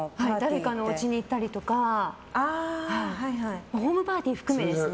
誰かのおうちに行ったりとかホームパーティー含めですね。